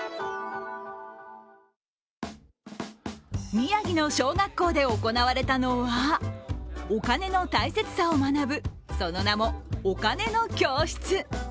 宮城の小学校で行われたのはお金の大切さを学ぶ、その名もお金の教室。